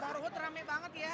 bang rohot rame banget ya